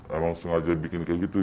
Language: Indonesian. emang sengaja dibikin kayak gitu